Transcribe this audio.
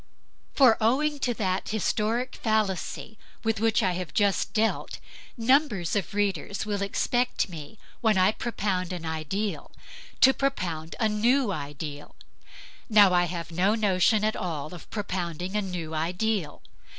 For owing to that historic fallacy with which I have just dealt, numbers of readers will expect me, when I propound an ideal, to propound a new ideal. Now I have no notion at all of propounding a new ideal.